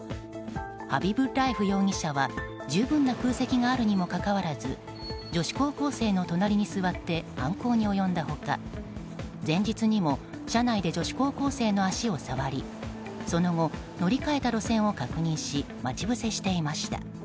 ハビブッラエフ容疑者は十分な空席があるにもかかわらず女子高校生の隣に座って犯行に及んだ他前日にも車内で女子高校生の足を触りその後、乗り換えた路線を確認し待ち伏せしていました。